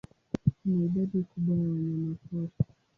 Kuna idadi kubwa ya wanyamapori.